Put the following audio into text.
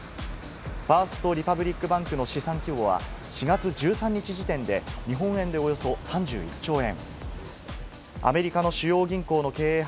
ファースト・リパブリック・バンクの資産規模は４月１３日時点で日本円でおよそ３１兆円。